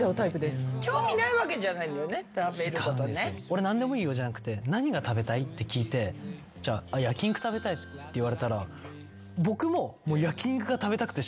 俺「何でもいいよ」じゃなくて「何が食べたい？」って聞いて「焼き肉食べたい」って言われたら。